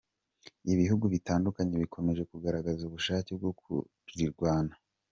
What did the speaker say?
Ibihugu bitandukanye bikomeje kugaragaza ubushake bwo kurwigana.